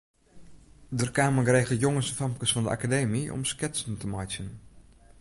Der kamen geregeld jonges en famkes fan de Akademy om sketsen te meitsjen.